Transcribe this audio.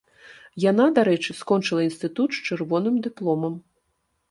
Яна, дарэчы, скончыла інстытут з чырвоным дыпломам.